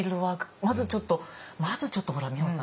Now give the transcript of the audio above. まずちょっとまずちょっとほら美穂さん